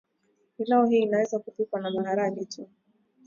Pilau hii inaweza kupikwa na maharagetu